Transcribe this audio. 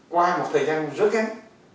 qua một thời gian rất ghen